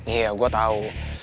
iya gue tau